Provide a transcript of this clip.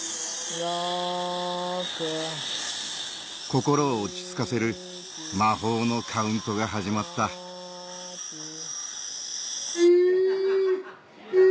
心を落ち着かせる魔法のカウントが始まったう！